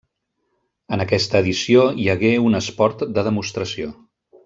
En aquesta edició hi hagué un esport de demostració.